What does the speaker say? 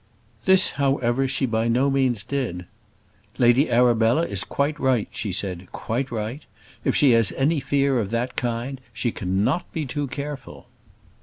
This, however, she by no means did. "Lady Arabella is quite right," she said, "quite right; if she has any fear of that kind, she cannot be too careful."